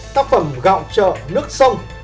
tác phẩm gạo trợ nước sông